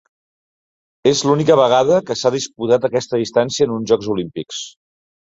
És l'única vegada que s'ha disputat aquesta distància en uns Jocs Olímpics.